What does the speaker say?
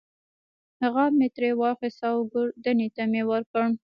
غاب مې ترې واخیست او ګوردیني ته مې ورکړ.